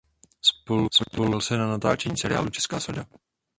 Spolupodílel se na natáčení seriálu "Česká soda".